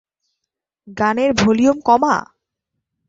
গানের ভলিউম কমা!